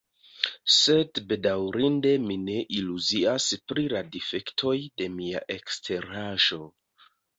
Sed bedaŭrinde mi ne iluzias pri la difektoj de mia eksteraĵo.